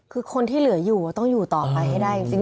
คือคนที่เหลืออยู่ต้องอยู่ต่อไปให้ได้จริง